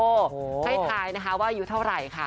ให้ทายนะคะว่าอายุเท่าไหร่ค่ะ